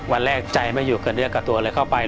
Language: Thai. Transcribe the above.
วันแรกใจไม่อยู่กับเนื้อกับตัวเลยเข้าไป